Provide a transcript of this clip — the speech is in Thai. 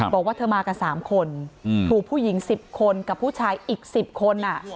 บอกว่าเธอมากับ๓คนถูกผู้หญิง๑๐คนกับผู้ชายอีก๑๐คน